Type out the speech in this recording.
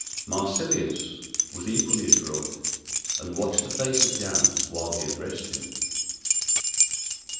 Marsilius was equally adroit, and watched the face of Gan while he addressed him.